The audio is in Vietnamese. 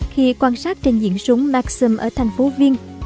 khi quan sát trình diễn súng maxim ở thành phố vieng